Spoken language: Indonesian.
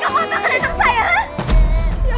kami gak mau tangan anak saya